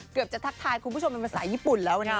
เกือบจะทักทายคุณผู้ชมเป็นภาษาญี่ปุ่นแล้วนะ